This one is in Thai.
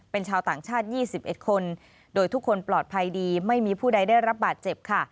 เป็นชาวต่างชาติ๒๑คนโดยทุกคนปลอดภัยดีไม่มีผู้ใดได้รับบาดเจ็บค่ะ